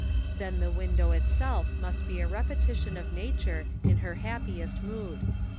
Then the Avin dow itself must be a repetition of nature in her happiest mood.